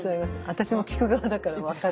私も聞く側だから分かる。